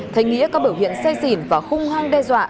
thấy nghĩa có biểu hiện xe xỉn và khung hoang đe dọa